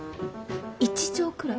一畳くらい？